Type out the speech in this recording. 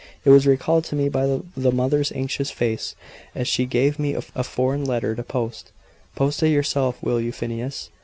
It was recalled to me by the mother's anxious face, as she gave me a foreign letter to post. "Post it yourself, will you, Phineas?